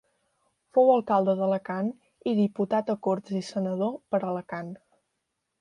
Fou alcalde d'Alacant i diputat a Corts i Senador per Alacant.